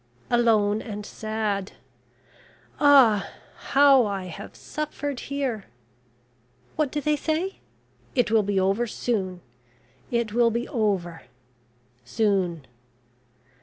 Alone and sad. Ah! how I have suffered here... What do they say? It will be over soon, it will be over soon.